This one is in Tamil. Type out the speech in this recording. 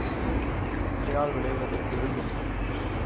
சர்க்கரையால் விளைவது பெருந்துன்பம்.